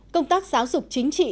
công tác giáo dục chính trị